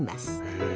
へえ。